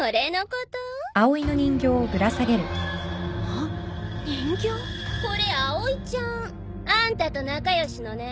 これアオイちゃん。あんたと仲良しのね。